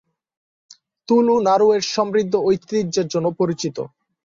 তুলু নাড়ু এর সমৃদ্ধ ঐতিহ্যের জন্য পরিচিত।